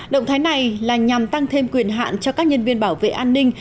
động thái này là nhằm tăng thêm quyền hạn cho các nhân viên bảo vệ an ninh